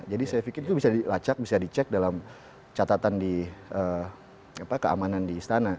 jadi saya pikir itu bisa dilacak bisa dicek dalam catatan di apa keamanan di istana